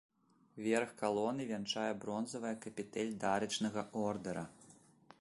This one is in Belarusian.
Верх калоны вянчае бронзавая капітэль дарычнага ордэра.